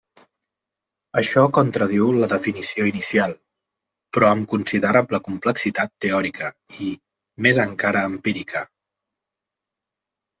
Això contradiu la definició inicial, però amb considerable complexitat teòrica i, més encara empírica.